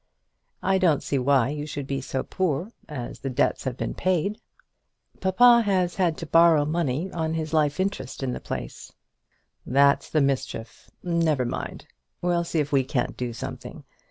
I don't see why you should be so poor, as the debts have been paid." "Papa has had to borrow money on his life interest in the place." "That's the mischief! Never mind. We'll see if we can't do something.